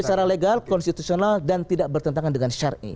secara legal konstitusional dan tidak bertentangan dengan syari'i